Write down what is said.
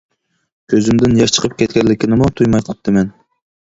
كۆزۈمدىن ياش چىقىپ كەتكەنلىكىنىمۇ تۇيماي قاپتىمەن.